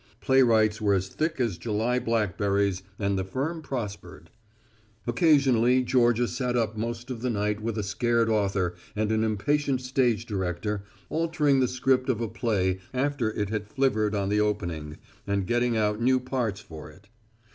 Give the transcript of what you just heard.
Playwrights were as thick as July blackberries and the firm prospered. Occasionally Georgia sat up most of the night with a scared author and an impatient stage director, altering the script of a play after it had flivvered on the opening, and getting out new parts for it.